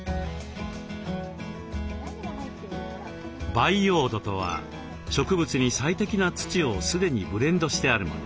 培養土とは植物に最適な土を既にブレンドしてあるもの。